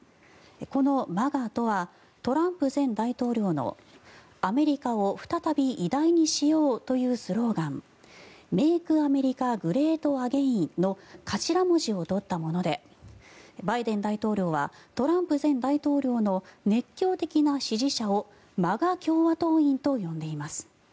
このＭＡＧＡとはトランプ前大統領のアメリカを再び偉大にしようというスローガン「ＭａｋｅＡｍｅｒｉｃａＧｒｅａｔＡｇａｉｎ」の頭文字を取ったものでバイデン大統領はトランプ前大統領の熱狂的な支持者をＭＡＧＡ共和党員と呼んでいます。